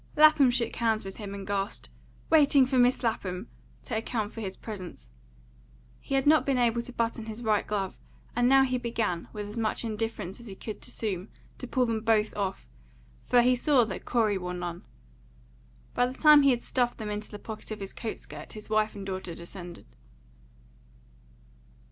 Lapham shook hands with him and gasped, "Waiting for Mis' Lapham," to account for his presence. He had not been able to button his right glove, and he now began, with as much indifference as he could assume, to pull them both off, for he saw that Corey wore none. By the time he had stuffed them into the pocket of his coat skirt his wife and daughter descended.